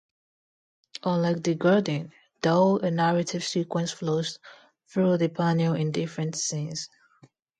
Unlike the "Garden", though, a narrative sequence flows through the panel in different scenes.